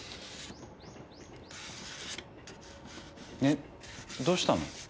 えっどうしたの？